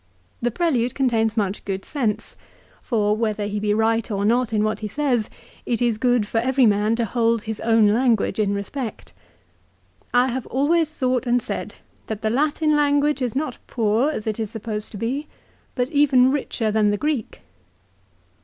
The prelude contains much good sense. For, whether he be right or not in what he says, it is good for every man to hold his own langviage in respect. " I have always thought and said, that the Latin language is not poor as it is supposed to be, but even richer than the Greek."